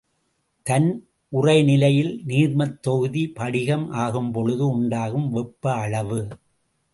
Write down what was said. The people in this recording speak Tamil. தன் உறைநிலையில் நீர்மத் தொகுதி படிகம் ஆகும்பொழுது உண்டாகும் வெப்ப அளவு.